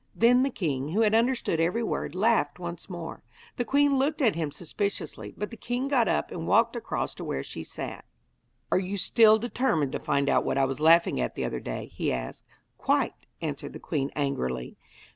Then the king, who had understood every word, laughed once more. The queen looked at him suspiciously, but the king got up and walked across to where she sat. 'Are you still determined to find out what I was laughing at the other day?' he asked. 'Quite,' answered the queen angrily.